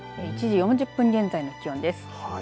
１時４０分現在の気温です。